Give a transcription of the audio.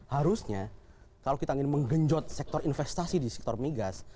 harusnya kalau kita ingin menggenjot sektor investasi di sektor migas